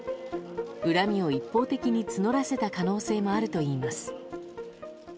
恨みを一方的に募らせた可能性もあるといいます。